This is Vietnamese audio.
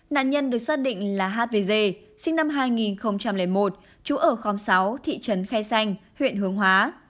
nạn nhân được xác định là hvg sinh năm hai nghìn một trú ở khóm sáu thị trấn khe xanh huyện hướng hóa